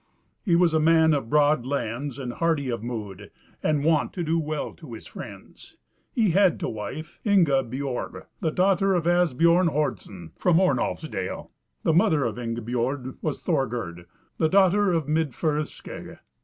He was a man of broad lands and hardy of mood, and wont to do well to his friends; he had to wife Ingibiorg, the daughter of Asbiorn Hordson, from Ornolfsdale; the mother of Ingibiorg was Thorgerd, the daughter of Midfirth Skeggi.